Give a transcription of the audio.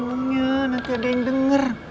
cuma nanti ada yang denger